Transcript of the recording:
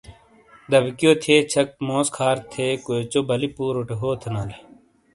دبیکیو تھیے چھک موس کھار تھے کویوچو بَلی پوروٹے ہو تھینالے۔